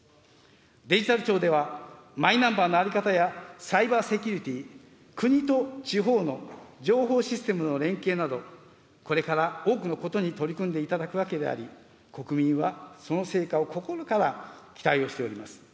デジタル庁では、マイナンバーの在り方やサイバーセキュリティー、国と地方の情報システムの連携など、これから多くのことに取り組んでいただくわけであり、国民はその成果を心から期待をしております。